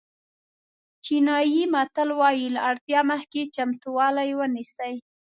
چینایي متل وایي له اړتیا مخکې چمتووالی ونیسئ.